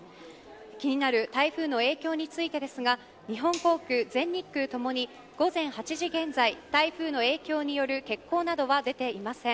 気になる台風の影響についてですが日本航空、全日空ともに午前８時現在台風の影響による欠航などは出ていません。